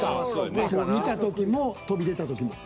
見た時も飛び出た時も？